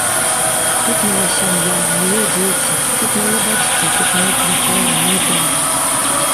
Тут мая сям'я, тут мае дзеці, тут мае бацькі, тут мае кватэра, мой дом.